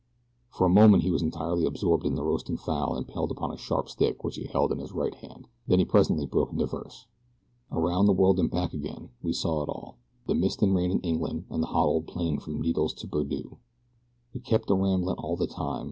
For a moment he was entirely absorbed in the roasting fowl impaled upon a sharp stick which he held in his right hand. Then he presently broke again into verse. Around the world and back again; we saw it all. The mist and rain In England and the hot old plain from Needles to Berdoo. We kept a rambling all the time.